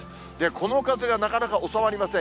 この風がなかなか収まりません。